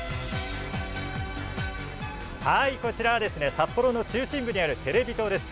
こちら札幌の中心部にあるテレビ塔です。